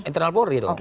internal polri dong